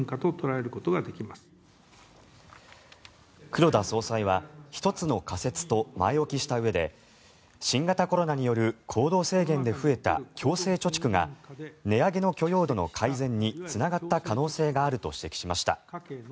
黒田総裁は１つの仮説と前置きしたうえで新型コロナによる行動制限で増えた強制貯蓄が値上げの許容度の改善につながった可能性があると指摘しました。